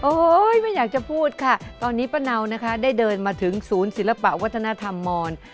ไม่อยากจะพูดค่ะตอนนี้ป้าเนานะคะได้เดินมาถึงศูนย์ศิลปะวัฒนธรรมมร